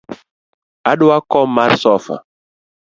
Adwa kom mar sofa.